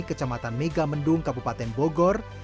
kecamatan megamendung kabupaten bogor